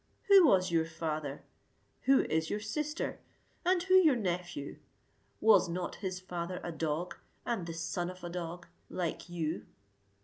Who was your father? Who is your sister? And who your nephew? Was not his father a dog, and the son of a dog, like you?